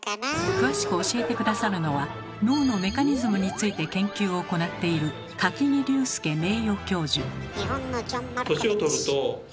詳しく教えて下さるのは脳のメカニズムについて研究を行っている日本のジョン・マルコヴィッチ。